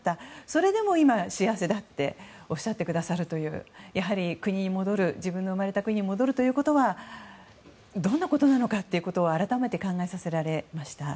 それでも今、幸せだとおっしゃってくださるというやはり、自分の生まれた国に戻るということがどんなことなのかということを改めて考えさせられました。